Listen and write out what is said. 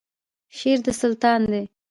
شر د شیطان دی